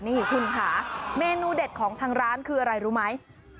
นี่คุณค่ะเมนูเด็ดของทางร้านคืออะไรรู้ไหม